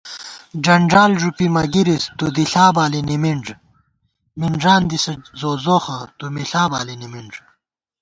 ݮنݮال ݫُپی مہ گِرِس، تُو دِݪا بالی نِمِنݮ * منݮان دِسہ زوزوخہ، تُومِݪا بالی نِمِنݮ